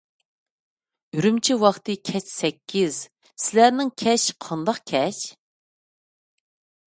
ئۈرۈمچى ۋاقتى كەچ سەككىز، سىلەرنىڭ كەچ قانداق كەچ؟